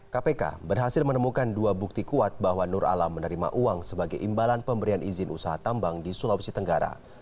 kpk berhasil menemukan dua bukti kuat bahwa nur alam menerima uang sebagai imbalan pemberian izin usaha tambang di sulawesi tenggara